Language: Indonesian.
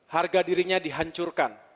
harga dirinya dihancurkan